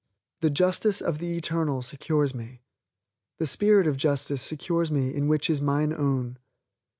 The Justice of the Eternal secures me, the Spirit of Justice secures me in which is mine own.